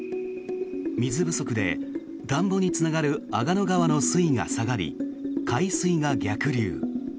水不足で田んぼにつながる阿賀野川の水位が下がり海水が逆流。